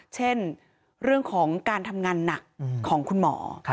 เช่นเรื่องของการทำงานหนักของคุณหมอ